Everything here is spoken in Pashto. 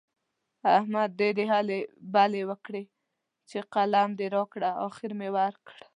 احمد ډېرې هلې بلې وکړې چې قلم دې راکړه؛ اخېر مې ورکړ.